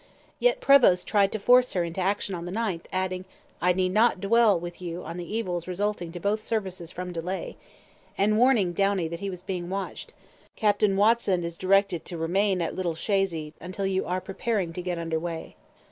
Yet Prevost tried to force her into action on the 9th, adding, 'I need not dwell with you on the evils resulting to both services from delay,' and warning Downie that he was being watched: 'Captain Watson is directed to remain at Little Chazy until you are preparing to get under way.'